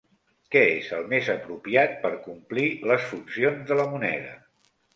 Què és el més apropiat per complir les funcions de la moneda?